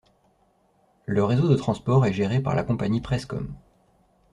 Le réseau de transport est géré par la compagnie Prescom.